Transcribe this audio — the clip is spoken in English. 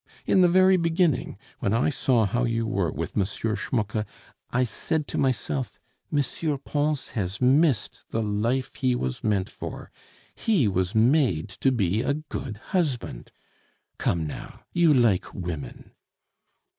In the very beginning, when I saw how you were with M. Schmucke, I said to myself, 'M. Pons has missed the life he was meant for; he was made to be a good husband.' Come, now, you like women."